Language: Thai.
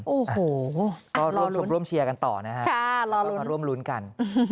โอ้โหรอลุ้นก็รวมเชียร์กันต่อนะคะค่ะรอลุ้นแล้วก็มารวมรุ้นกัน